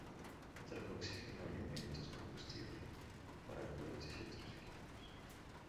Trajo oxígeno, alimentos, combustible para cohetes y otros equipos.